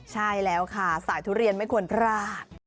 ใช่แล้วค่ะสายทุเรียนไม่ควรพลาด